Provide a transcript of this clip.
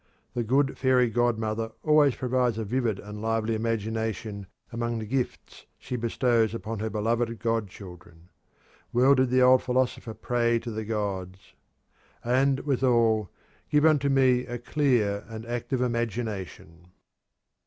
The good fairy godmother always provides a vivid and lively imagination among the gifts she bestows upon her beloved godchildren. Well did the old philosopher pray to the gods: "And, with all, give unto me a clear and active imagination."